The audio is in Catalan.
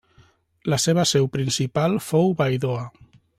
La seva seu principal fou Baidoa.